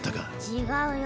違うよ。